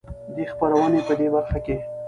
دې خپرونې په د برخه کې